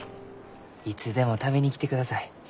いつでも食べに来てください。